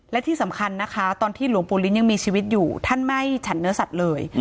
และที่สำคัญนะคะตอนที่หลวงปู่ลิ้นยังมีชีวิตอยู่ท่านไม่ฉันเนื้อสัตว์เลย